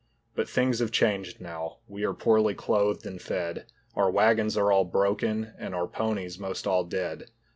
But things have changed now, we are poorly clothed and fed. Our wagons are all broken and our ponies most all dead.